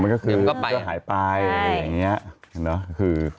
อย่างนี้นะคือ